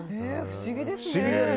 不思議ですね。